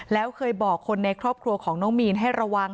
แล้วเคยบอกคนในครอบครัวของน้องมีนให้ระวัง